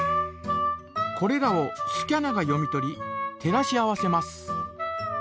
これらをスキャナが読み取り照らし合わせます。